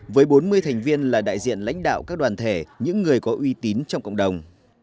với bốn mươi thành viên là đại diện lãnh đạo các đoàn thể những người có uy tín trong cộng đồng